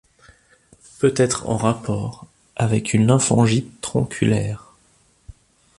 Peut être en rapport avec une lymphangite tronculaire.